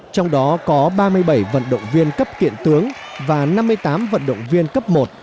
trong đó có ba mươi bảy vận động viên cấp kiện tướng và năm mươi tám vận động viên cấp một